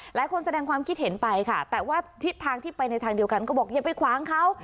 แสดงความคิดเห็นไปค่ะแต่ว่าทิศทางที่ไปในทางเดียวกันก็บอกอย่าไปขวางเขา